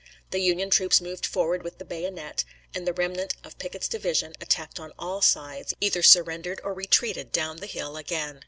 The Union troops moved forward with the bayonet, and the remnant of Pickett's division, attacked on all sides, either surrendered or retreated down the hill again.